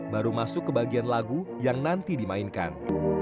baru masuk ke bagian lagu yang nanti dimainkan